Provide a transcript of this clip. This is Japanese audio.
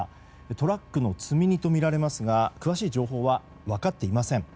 トラックの積み荷とみられますが詳しい情報は分かっていません。